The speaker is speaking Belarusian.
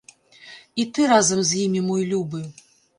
І ты разам з імі, мой любы!